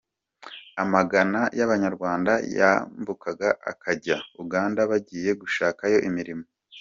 Amagana y’abanyarwanda yambukaga akajya Uganda bagiye gushakayo imirimo.